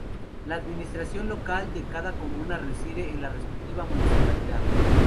La administración local de cada comuna reside en la respectiva municipalidad.